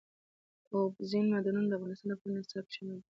اوبزین معدنونه د افغانستان د پوهنې نصاب کې شامل دي.